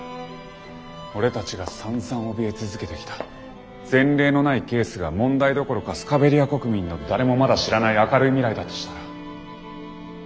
俺たちがさんざんおびえ続けてきた前例のないケースが問題どころかスカベリア国民の誰もまだ知らない明るい未来だとしたら？